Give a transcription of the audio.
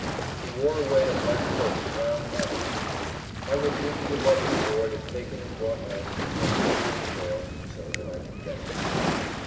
He wore away a black coat and brown pantaloons. I will give the above reward if taken and brought home, or secured in jail, so that I get him.